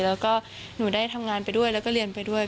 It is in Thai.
แล้วก็หนูได้ทำงานไปด้วยแล้วก็เรียนไปด้วย